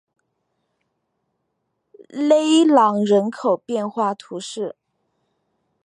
勒朗人口变化图示